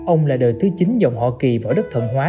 ông là đời thứ chín dòng họ kỳ võ đức thuận hóa